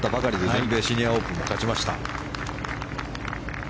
全米シニアオープンも勝ちました。